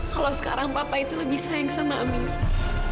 kalau sekarang papa itu lebih sayang sama amira